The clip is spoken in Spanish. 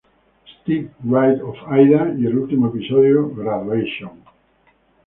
Stevie", "Bride of Aida" y el último episodio, "Graduation".